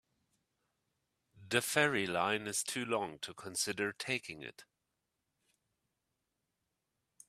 The ferry line is too long to consider taking it.